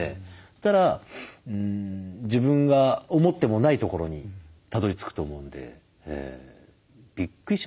そしたら自分が思ってもないところにたどり着くと思うんで。